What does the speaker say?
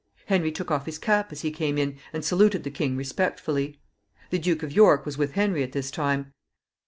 Henry took off his cap as he came in, and saluted the king respectfully. The Duke of York was with Henry at this time.